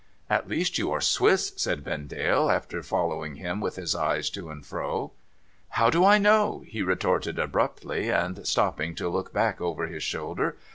At least you are Swiss,' said Vendale, after following him with his eyes to and fro. 'How do I know?' he retorted abrupUy, and stopping to look hack over his shoulder.